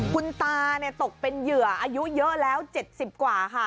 คุณตาตกเป็นเหยื่ออายุเยอะแล้ว๗๐กว่าค่ะ